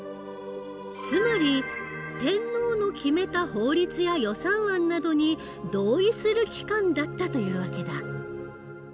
つまり天皇の決めた法律や予算案などに同意する機関だったという訳だ。